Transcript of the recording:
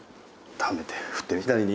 ためて振ってみ左に。